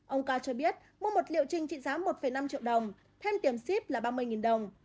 ông ca cho biết mua một liệu trình trị giá một năm triệu đồng thêm tiền ship là ba mươi đồng